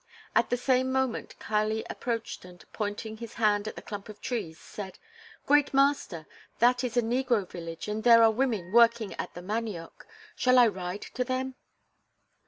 At the same moment Kali approached and, pointing his hand at a clump of trees, said: "Great master! That is a negro village and there are women working at the manioc. Shall I ride to them?"